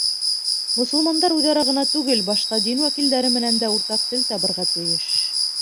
Мосолмандар үҙ-ара ғына түгел, башҡа дин вәкилдәре менән дә уртаҡ тел табырға тейеш.